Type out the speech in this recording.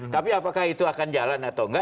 tapi apakah itu akan jalan atau enggak